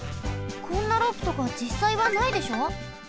こんなロープとかじっさいはないでしょ？